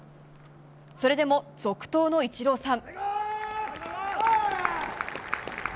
それでも続投のイチローさん。